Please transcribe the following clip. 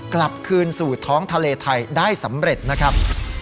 กลับคืนสู่ท้องทะเลไทยได้สำเร็จนะครับ